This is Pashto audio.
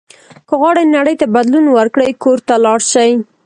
که غواړئ نړۍ ته بدلون ورکړئ کور ته لاړ شئ.